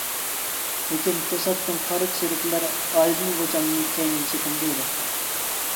لېكىن، توساتتىن قارا چېرىكلەر ئايدىن خوجامنى كەينىگە چېكىندۈردى.